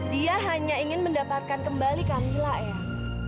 dia hanya ingin mendapatkan kembali kamila ya